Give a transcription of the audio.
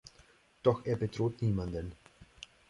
Doch er bedroht niemanden.